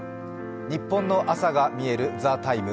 ニッポンの朝がみえる「ＴＨＥＴＩＭＥ，」